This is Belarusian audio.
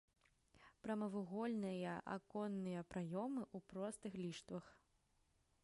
Прамавугольныя аконныя праёмы ў простых ліштвах.